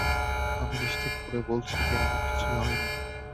আমি নিশ্চিত করে বলছি যে, এমন কিছুই হয়নি।